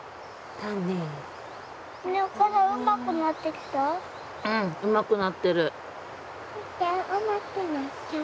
みなもうまくなってる。